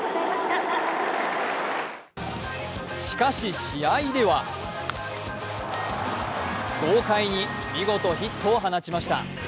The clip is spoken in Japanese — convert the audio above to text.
しかし試合では豪快に見事ヒットを放ちました。